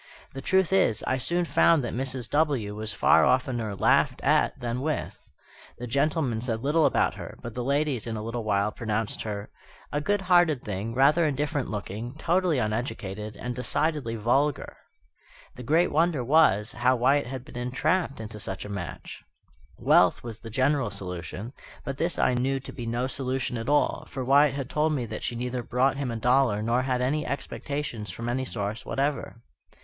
The truth is, I soon found that Mrs. W. was far oftener laughed at than with. The gentlemen said little about her; but the ladies in a little while pronounced her "a good hearted thing, rather indifferent looking, totally uneducated, and decidedly vulgar." The great wonder was, how Wyatt had been entrapped into such a match. Wealth was the general solution, but this I knew to be no solution at all; for Wyatt had told me that she neither brought him a dollar nor had any expectations from any source whatever.